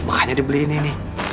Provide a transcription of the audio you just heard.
makanya dia beliin ini